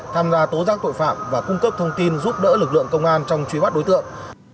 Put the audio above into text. tham gia tố giác tội phạm và cung cấp thông tin giúp đỡ lực lượng công an trong truy bắt đối tượng